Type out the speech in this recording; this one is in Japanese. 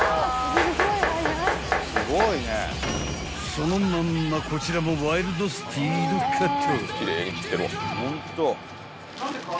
［そのまんまこちらもワイルドスピードカット］